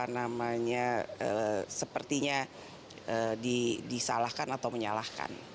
namanya sepertinya disalahkan atau menyalahkan